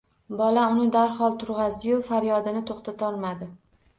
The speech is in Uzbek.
Bola uni darhol turg'azdiyu, faryodini to'xtatolmadi.